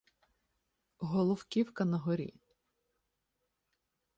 Головківка на горі.